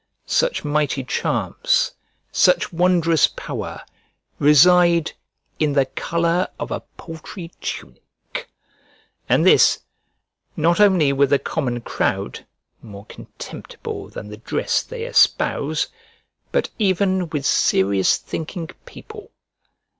Such mighty charms, such wondrous power reside in the colour of a paltry tunic! And this not only with the common crowd (more contemptible than the dress they espouse), but even with serious thinking people.